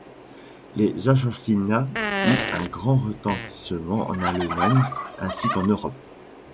Son assassinat eut un grand retentissement en Allemagne, ainsi qu'en Europe.